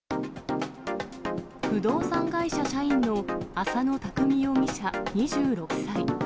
不動産会社社員の浅野拓未容疑者２６歳。